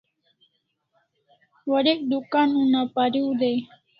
Warek dukan una pariu dai